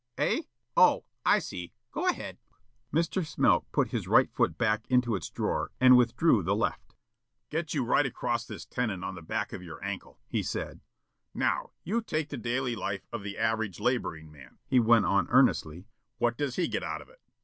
"Eh! Oh, I see. Go ahead." Mr. Smilk put his right foot back into its drawer and withdrew the left. "Gets you right across this tendon on the back of your ankle," he said. "Now, you take the daily life of the average laboring man," he went on earnestly. "What does he get out of it?